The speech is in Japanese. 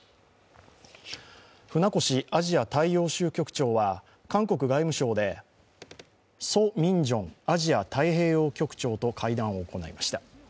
船越アジア大洋州局長は韓国外務省でソ・ミンジョンアジア太平洋局長と会談を行いました。